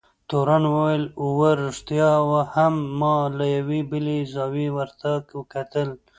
تورن وویل: اوه، رښتیا هم، ما له یوې بلې زاویې ورته کتل.